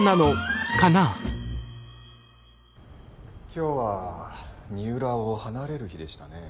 今日は二浦を離れる日でしたね。